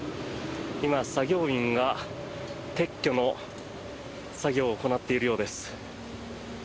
今、作業員が撤去の作業を行っているようです。